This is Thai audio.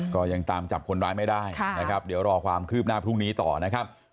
ก็ยังตามจับคนร้ายไม่ได้นะครับเดี๋ยวรอความคืบหน้าพรุ่งนี้ต่อนะครับ